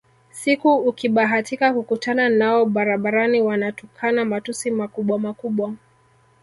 Siku ukibahatika kukutana nao barabarani wanatukana matusi makubwamakubwa